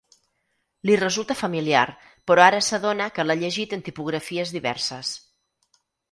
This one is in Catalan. Li resulta familiar, però ara s'adona que l'ha llegit en tipografies diverses.